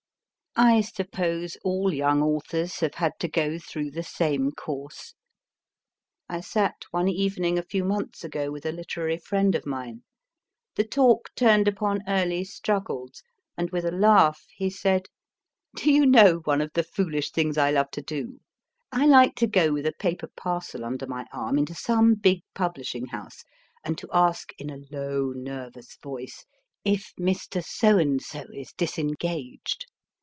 I suppose all young authors have had to go through the same course. I sat one evening, a few months ago, with a literary friend of mine. The talk turned upon early struggles, and, with a laugh, he said : Do you know one of the foolish things I love to do ? I like to go with a paper parcel under my arm into some big publishing house, and to ask, in a low, nervous voice, if Mr. So and so is disengaged.